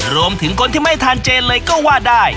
รวมถึงคนที่ไม่ทานเจนเลยก็ว่าได้